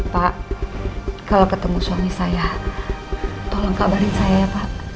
pak kalau ketemu suami saya tolong kabarin saya ya pak